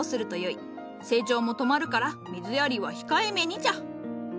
成長も止まるから水やりは控えめにじゃ。